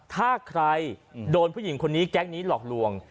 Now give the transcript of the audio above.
ถ้าใครโดนผู้หญิงคนนี้แก๊งนี้หลอกลวง